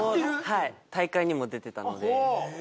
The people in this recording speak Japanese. はい大会にも出てたので